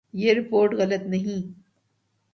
یہ رپورٹ غلط نہیں